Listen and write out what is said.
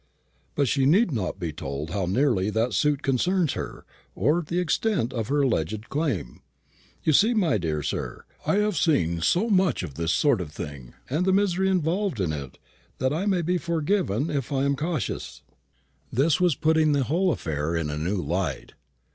But she need not be told how nearly that suit concerns her, or the extent of her alleged claim. You see, my dear sir, I have seen so much of this sort of thing, and the misery involved in it, that I may be forgiven if I am cautious." This was putting the whole affair in a new light.